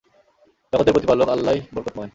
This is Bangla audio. জগতের প্রতিপালক আল্লাহই বরকতময়।